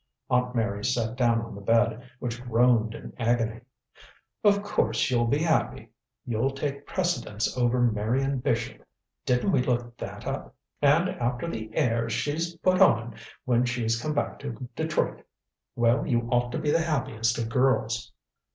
Aunt Mary sat down on the bed, which groaned in agony. "Of course you'll be happy. You'll take precedence over Marion Bishop didn't we look that up? And after the airs she's put on when she's come back to Detroit well, you ought to be the happiest of girls."